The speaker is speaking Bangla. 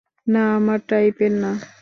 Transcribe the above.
না আমার টাইপের না।